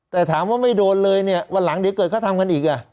แต่ถามว่าไม่โดนเลยเนี่ยวันหลังเดี๋ยวเกิดเขาทำกันอีกอ่ะ